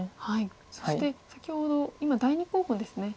そして先ほど今第２候補ですね。